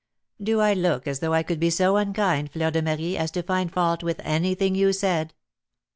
"Do I look as though I could be so unkind, Fleur de Marie, as to find fault with anything you said?"